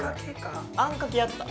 あんかけやった？